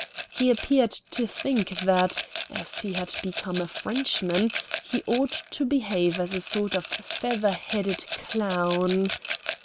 He appeared to think that, as he had become a Frenchman, he ought to behave as a sort of feather headed clown.